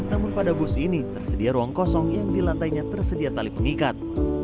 namun pada bus ini tersedia ruang kosong yang di lantainya tersedia tali pengikat